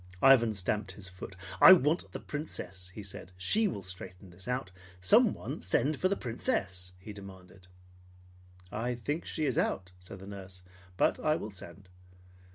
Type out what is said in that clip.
Ivan stamped his foot. "I want the Princess!" he said. "She will straighten this out. Send someone for the Princess!" he demanded. "I think she is out," said the nurse; "but I will send."